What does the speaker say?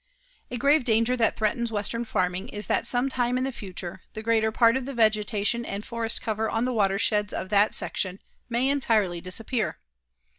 A grave danger that threatens western farming is that some time in the future the greater part of the vegetation and forest cover on the watersheds of that section may entirely disappear.